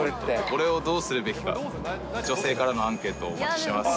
これをどうするべきか、女性からのアンケートをお待ちしてます。